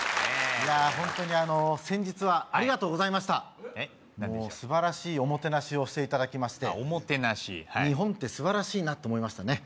ホントに先日はありがとうございました素晴らしいおもてなしをしていただきまして日本って素晴らしいなと思いましたね